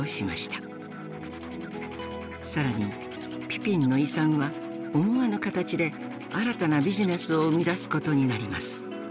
更にピピンの遺産は思わぬ形で新たなビジネスを生み出すことになります。